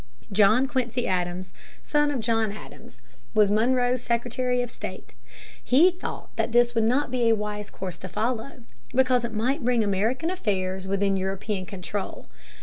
John Quincy Adams, son of John Adams, was Monroe's Secretary of State. He thought that this would not be a wise course to follow, because it might bring American affairs within European control.